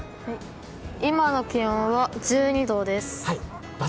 今の気温は１２度です。